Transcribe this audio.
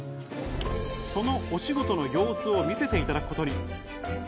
そのお仕事の様子を見せていただくことに。